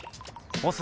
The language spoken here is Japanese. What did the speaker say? ボス